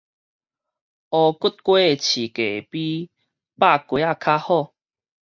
烏骨雞的市價比肉雞仔較好